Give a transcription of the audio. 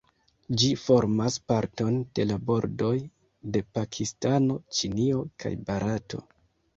Ĝi formas parton da la bordoj de Pakistano, Ĉinio, kaj Barato.